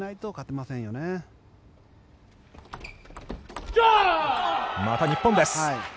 また日本です。